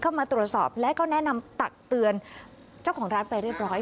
เข้ามาตรวจสอบและก็แนะนำตักเตือนเจ้าของร้านไปเรียบร้อย